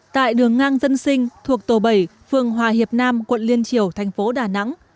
tại đường ngang dân sinh thuộc tổ bảy phường hòa hiệp nam quận liên triều thành phố đà nẵng